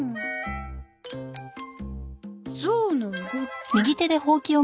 ゾウの動き。